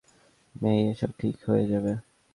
মেই, এসব ঠিক হয়ে যাবে।